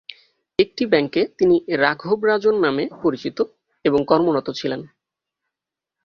একটি ব্যাংকে তিনি রাঘব রাজন নামে পরিচিত এবং কর্মরত ছিলেন।